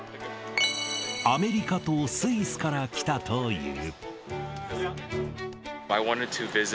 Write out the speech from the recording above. アメリカとスイスから来たという。